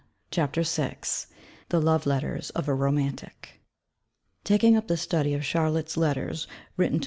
CHAPTER VI THE LOVE LETTERS OF A ROMANTIC Taking up the study of Charlotte's letters written to M.